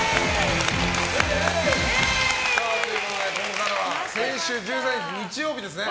ここからは先週の日曜日ですね